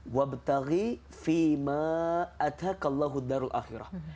wabtaghi fima'atakallahu darul akhirah